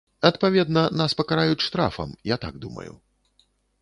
Адпаведна, нас пакараюць штрафам, я так думаю.